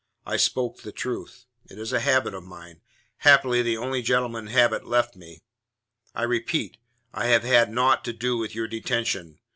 "I spoke the truth; it is a habit of mine haply the only gentlemanly habit left me. I repeat, I have had naught to do with your detention.